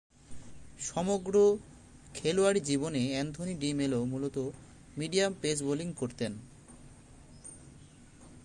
সমগ্র খেলোয়াড়ী জীবনে অ্যান্থনি ডি মেলো মূলতঃ মিডিয়াম পেস বোলিং করতেন।